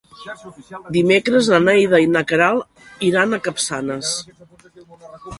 Dimecres na Neida i na Queralt iran a Capçanes.